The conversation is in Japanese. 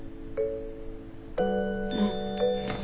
うん。